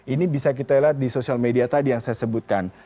ini bisa kita lihat di sosial media tadi yang saya sebutkan